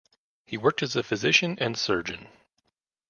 He worked as a physician and surgeon.